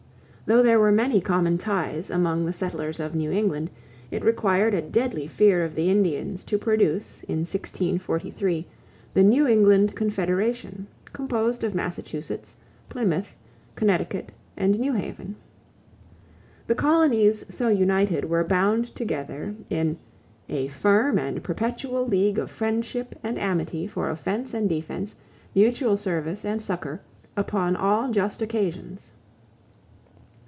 Though there were many common ties among the settlers of New England, it required a deadly fear of the Indians to produce in 1643 the New England Confederation, composed of Massachusetts, Plymouth, Connecticut, and New Haven. The colonies so united were bound together in "a firm and perpetual league of friendship and amity for offense and defense, mutual service and succor, upon all just occasions."